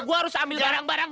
gue harus ambil barang barang